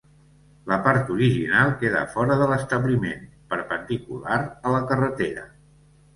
La part original queda fora de l'establiment, perpendicular a la carretera.